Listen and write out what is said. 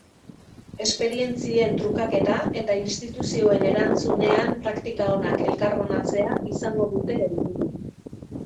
Esperientzien trukaketa eta instituzioen erantzunean praktika onak elkarbanatzea izango dute helburu.